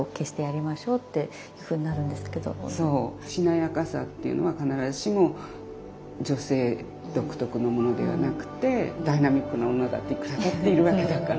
「しなやかさ」っていうのは必ずしも女性独特のものではなくてダイナミックな女だっていくらだっているわけだから。